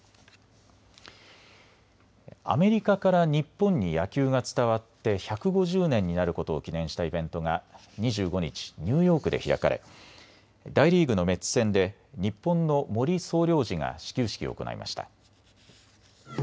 アメリカから日本に野球が伝わって１５０年になることを記念したイベントが２５日、ニューヨークで開かれ大リーグのメッツ戦で日本の森総領事が始球式を行いました。